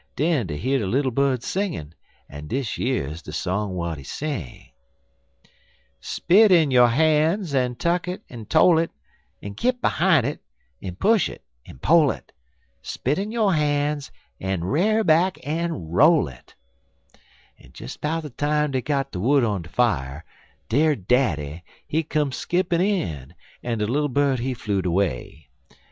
Den dey hear de little bird singin', en dish yer's de song w'at he sing: "'Spit in yo' han's en tug it en toll it, En git behime it, en push it, en pole it; Spit in yo' han's en r'ar back en roll it.' "En des 'bout de time dey got de wood on de fier, der daddy, he come skippin' in, en de little bird, he flew'd away.